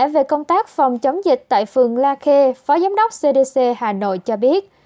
về công tác phòng chống dịch tại phường la khê phó giám đốc cdc hà nội cho biết